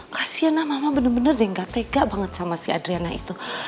kasianah mama bener bener deh gak tega banget sama si adriana itu